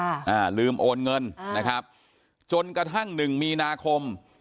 อ่าลืมโอนเงินนะครับจนกระทั่งหนึ่งมีนาคม